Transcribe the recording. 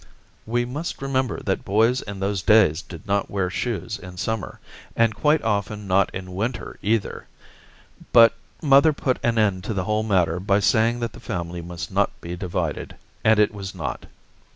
We must remember that boys in those days did not wear shoes in summer, and quite often not in winter either. But mother put an end to the whole matter by saying that the family must not be divided, and it was not.